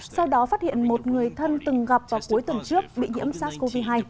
sau đó phát hiện một người thân từng gặp vào cuối tuần trước bị nhiễm sars cov hai